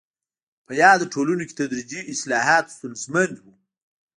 په یادو ټولنو کې تدریجي اصلاحات ستونزمن وو.